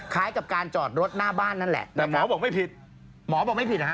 คล้ายกับการจอดรถหน้าบ้านนั่นแหละแต่หมอบอกไม่ผิดหมอบอกไม่ผิดนะฮะ